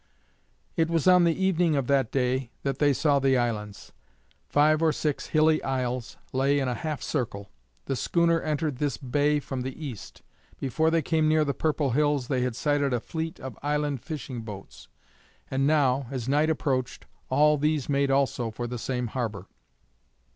It was on the evening of that day that they saw the islands; five or six hilly isles lay in a half circle. The schooner entered this bay from the east. Before they came near the purple hills they had sighted a fleet of island fishing boats, and now, as night approached, all these made also for the same harbour.